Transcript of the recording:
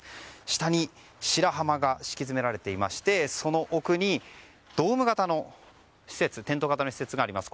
下に白浜が敷き詰められていましてその奥に、ドーム型の施設テント型の施設があります。